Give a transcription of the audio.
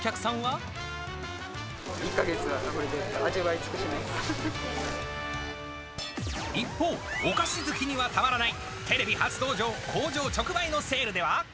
１か月はこれで味わい尽くし一方、お菓子好きにはたまらない、テレビ初登場、工場直売のセールでは。